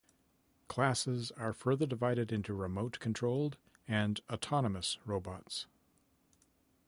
Classes are further divided into remote-controlled and autonomous robots.